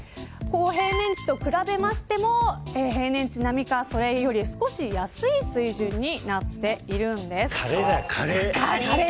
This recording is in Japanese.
平年値と比べても平年値並みかそれより少し安い水準にカレーだよ、カレー。